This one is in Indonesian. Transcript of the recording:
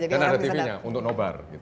dan ada tv nya untuk nobar